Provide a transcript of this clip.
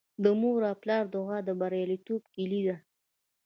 د مور او پلار دعا د بریالیتوب کیلي ده.